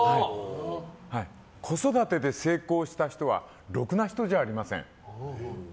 子育てで成功した人はろくな人じゃありません。